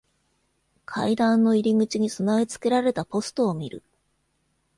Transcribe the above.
階段の入り口に備え付けられたポストを見る。